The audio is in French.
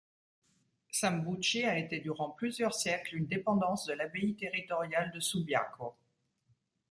Sambuci a été durant plusieurs siècles une dépendance de l'abbaye territoriale de Subiaco.